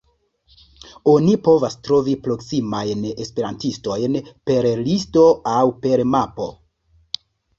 Oni povas trovi proksimajn esperantistojn per listo aŭ per mapo.